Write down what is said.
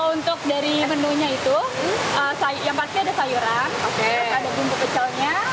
untuk dari menunya itu yang pasti ada sayuran ada bumbu pecelnya